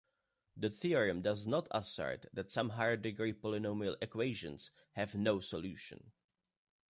The theorem does "not" assert that some higher-degree polynomial equations have "no" solution.